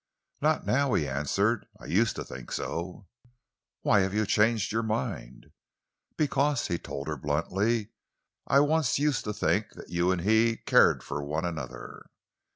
"Not now," he answered. "I used to think so once." "Why have you changed your mind?" "Because," he told her bluntly, "I used once to think that you and he cared for one another."